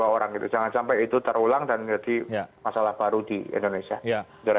jangan sampai itu terulang dan jadi masalah baru di indonesia